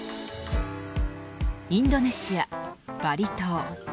インドネシア、バリ島。